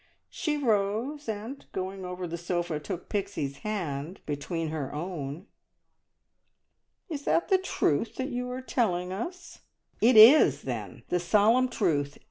She rose, and, going over to the sofa, took Pixie's hand between her own. "Is it the truth that you are telling us?" "It is, then! The solemn truth!